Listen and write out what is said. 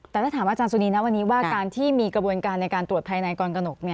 แต่ถ้าถามอาจารย์สุนีนะวันนี้ว่าการที่มีกระบวนการในการตรวจภายในกรกนก